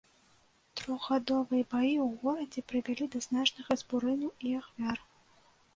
Трохгадовыя баі ў горадзе прывялі да значных разбурэнняў і ахвяр.